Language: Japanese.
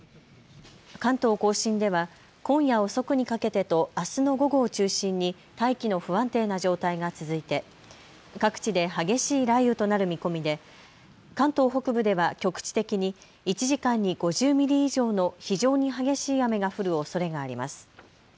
関東甲信では今夜遅くにかけてとあすの午後を中心に大気の不安定な状態が続いて各地で激しい雷雨となる見込みで関東北部では局地的に１時間に５０ミリ以上の非常に激しい雨が降るおそれがあります。